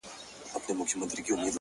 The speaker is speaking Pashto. • موږ ته تر سهاره چپه خوله ناست وي،